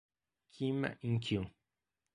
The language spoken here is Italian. Kim In-kyu